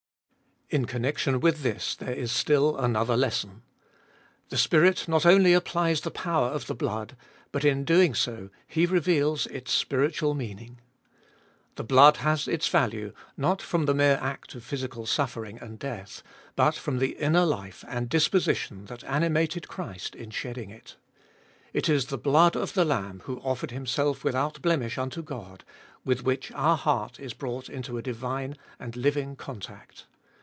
In connection with this there is still another lesson. The Spirit not only applies the power of the blood, but in doing so He reveals its spiritual meaning. The blood has its value, not from the mere act of physical suffering and death, but from the inner life and disposition that animated Christ in shedding it. It is the blood of the Lamb who offered Himself without blemish unto God, with which our heart is brought into a divine and living contact.